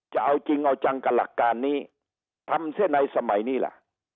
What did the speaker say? จะเอาจริงเอาจังกับหลักการนี้ทำเสียในสมัยนี้ล่ะ